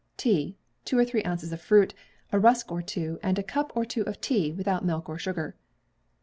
Tea. Two or three ounces of fruit; a rusk or two, and a cup or two of tea, without milk or sugar.